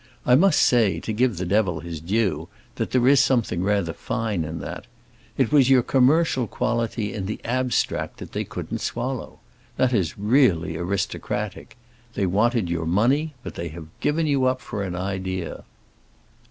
I must say, to give the devil his due, that there is something rather fine in that. It was your commercial quality in the abstract they couldn't swallow. That is really aristocratic. They wanted your money, but they have given you up for an idea."